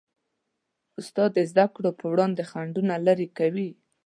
استاد د زدهکړو په وړاندې خنډونه لیرې کوي.